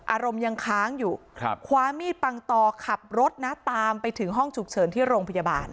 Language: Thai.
อารมณ์ยังค้างอยู่คว้ามีดปังตอขับรถนะตามไปถึงห้องฉุกเฉินที่โรงพยาบาล